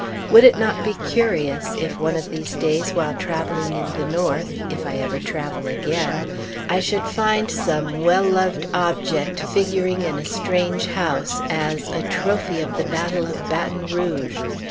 Would it not be curious, if one of these days while traveling in the North (if I ever travel again), I should find some well loved object figuring in a strange house as a "trophy of the battle of Baton Rouge"?